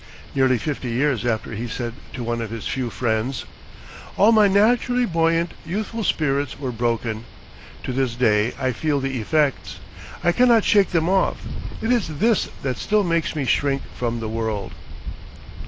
Nearly fifty years after he said to one of his few friends: "All my naturally buoyant, youthful spirits were broken. To this day I feel the effects. I cannot shake them off. It is this that still makes me shrink from the world."